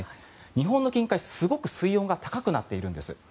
日本の近海、すごい水温が高くなっているんです。